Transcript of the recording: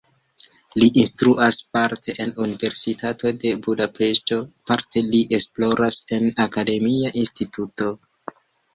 Li instruas parte en Universitato de Budapeŝto, parte li esploras en akademia instituto.